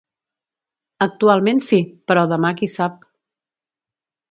Actualment sí, però demà qui sap.